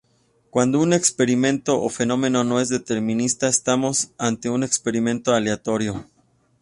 Cuando un experimento o fenómeno no es determinista estamos ante un experimento aleatorio.